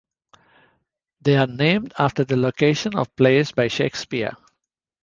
They are named after the locations of plays by Shakespeare.